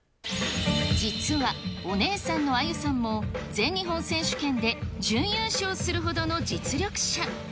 実はお姉さんのアユさんも、全日本選手権で、準優勝するほどの実力者。